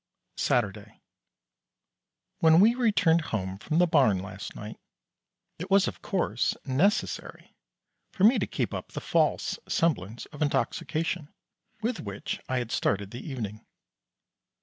Saturday. When we returned home from the barn last night, it was of course necessary for me to keep up the false semblance of intoxication with which I had started the evening.